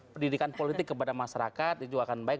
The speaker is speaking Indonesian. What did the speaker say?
pendidikan politik kepada masyarakat itu akan baik